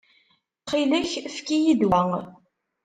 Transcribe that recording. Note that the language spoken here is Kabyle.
Ttxil-k, efk-iyi-d wa.